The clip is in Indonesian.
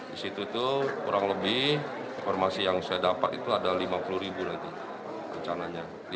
di situ itu kurang lebih informasi yang saya dapat itu ada lima puluh ribu nanti rencananya